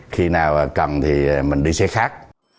khi nào cần thì mình đi xe khác